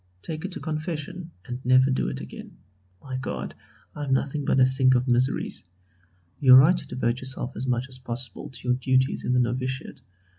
Take it to confession, and never do it again. My God! I am nothing but a sink of miseries. You are right to devote yourself as much as possible to your duties in the novitiate.